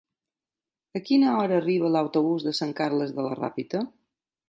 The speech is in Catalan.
A quina hora arriba l'autobús de Sant Carles de la Ràpita?